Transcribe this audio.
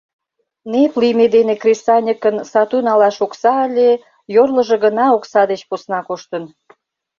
Нэп лийме дене кресаньыкын сату налаш окса ыле, йорлыжо гына окса деч посна коштын.